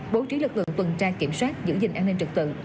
bố trí lực lượng tuần tra kiểm soát giữ gìn an ninh trực tự